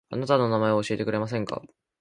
あなたの名前を教えてくれませんか